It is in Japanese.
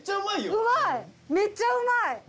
めっちゃうまい。